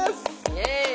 イエイ。